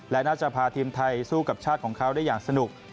และน่าจะพาทีมไทยสู้กับชาติของเขาได้อย่างสนุก